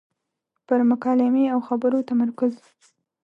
پر مکالمې او خبرو تمرکز.